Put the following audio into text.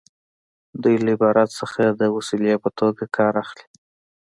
دوی له عبادت څخه د وسیلې په توګه کار اخلي.